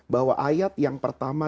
bahwa ayat yang pertama